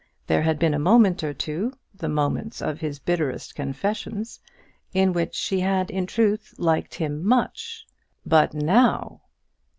There had been a moment or two, the moments of his bitterest confessions, in which she had in truth liked him much. But now!